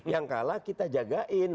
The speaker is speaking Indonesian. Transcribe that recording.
yang kalah kita jagain